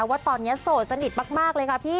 ว่าตอนนี้โสดสนิทมากเลยค่ะพี่